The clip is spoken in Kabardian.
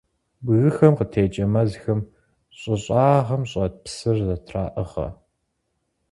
Бгыхэм къытекӀэ мэзхэм щӀы щӀагъым щӀэт псыр зэтраӀыгъэ.